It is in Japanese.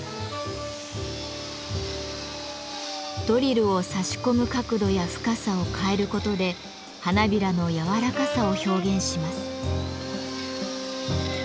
ドリルを差し込む角度や深さを変えることで花びらの柔らかさを表現します。